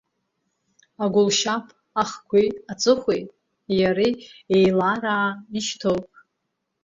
Агәылшьап Ахкәеи Аҵыхәеи, иареи еилараа ишьҭоуп.